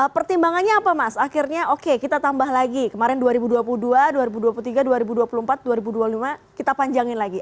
pertimbangannya apa mas akhirnya oke kita tambah lagi kemarin dua ribu dua puluh dua dua ribu dua puluh tiga dua ribu dua puluh empat dua ribu dua puluh lima kita panjangin lagi